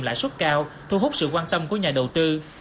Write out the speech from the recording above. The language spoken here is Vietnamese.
lãi suất cao thu hút sự quan tâm của nhà đầu tư